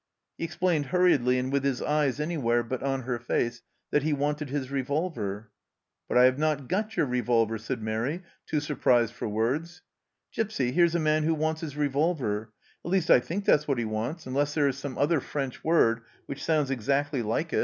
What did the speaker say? He explained hurriedly and with his eyes anywhere but on her face that he wanted his revolver. " But I have not got your revolver," said Mairi, too surprised for words. " Gipsy, here's a man who wants his revolver at least, I think that's what he wants, unless there is some other French word which sounds exactly like it."